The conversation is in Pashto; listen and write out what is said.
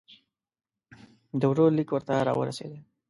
د ورور لیک ورته را ورسېدی.